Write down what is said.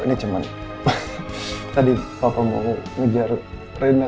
ini cuma tadi bapak mau ngejar rena